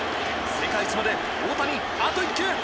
世界一まで大谷あと１球。